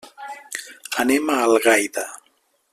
Anem a Algaida.